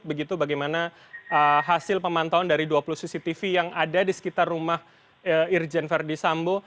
begitu bagaimana hasil pemantauan dari dua puluh cctv yang ada di sekitar rumah irjen verdi sambo